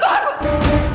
jangan sentuh aku